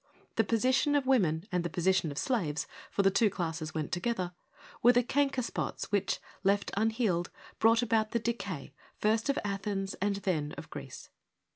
The position of women and the position of slaves — for the two classes went together — were the canker spots which, left unhealed, brought about the decay first of Athens and then of Greece.